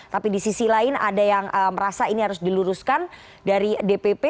tapi di sisi lain ada yang merasa ini harus diluruskan dari dpp